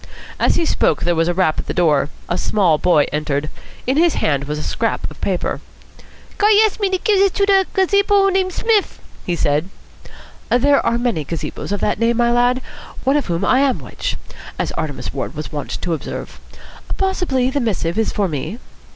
As he spoke there was a rap at the door. A small boy entered. In his hand was a scrap of paper. "Guy asks me give dis to gazebo named Smiff," he said. "There are many gazebos of that name, my lad. One of whom I am which, as Artemus Ward was wont to observe. Possibly the missive is for me."